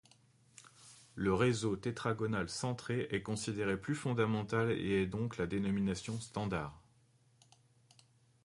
Le réseau tétragonal centré est considéré plus fondamental et est donc la dénomination standard.